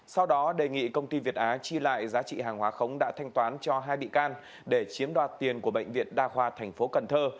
sau đó đề nghị công ty việt á chi lại giá trị hàng hóa khống đã thanh toán cho hai bị can để chiếm đoạt tiền của bệnh viện đa khoa thành phố cần thơ